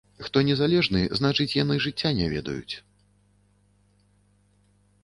Хто незалежны, значыць, яны жыцця не ведаюць.